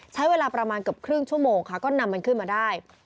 ใช้เวลาประมาณเกือบครึ่งชั่วโมงค่ะก็นำมันขึ้นมาได้